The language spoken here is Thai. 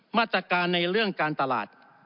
มาตรการในเรื่องการตลาด